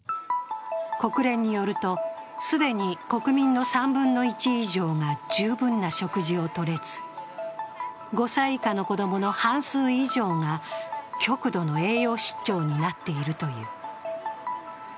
国連によると、既に国民の３分の１以上が十分な食事をとれず、５歳以下の子供の半数以上が極度の栄養失調になっているという。